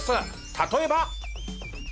例えば。